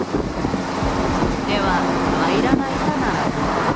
では平らな板ならどうか？